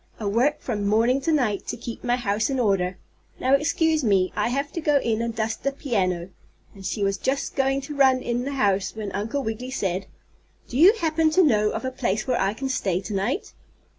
I work from morning to night to keep my house in order. Now excuse me; I have to go in and dust the piano," and she was just going to run in the house, when Uncle Wiggily said: "Do you happen to know of a place where I can stay to night?"